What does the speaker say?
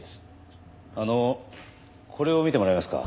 あのこれを見てもらえますか？